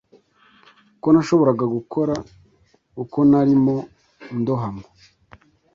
Ko nashoboraga gukora uko narimo ndohama